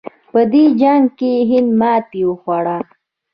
په دې جنګ کې هند ماتې وخوړه.